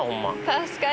確かに。